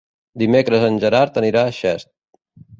Dimecres en Gerard anirà a Xest.